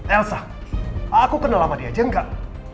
yelza aku kenal sama dia aja enggak